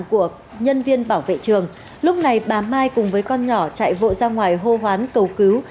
của nhân viên bảo vệ trường lúc này bà mai cùng với con nhỏ chạy vội ra ngoài hô hoán cầu cứu